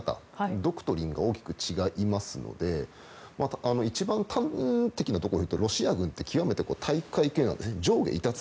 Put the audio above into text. ドクトリンが大きく違いますので一番端的なことで言うとロシア軍ってきわめて体育会系なんですね。